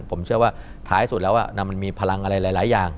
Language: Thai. ผมเชื่อว่าท้ายสุดแล้วมันมีพลังอะไรหลายอย่าง